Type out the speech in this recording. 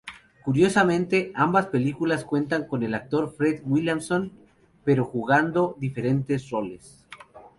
Curiosamente, ambas películas cuentan con el actor Fred Williamson, pero jugando diferentes roles.